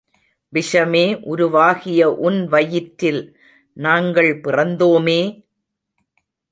விஷமே உருவாகிய உன் வயிற்றில் நாங்கள் பிறந்தோமே!